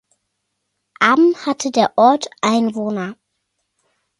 Am hatte der Ort Einwohner.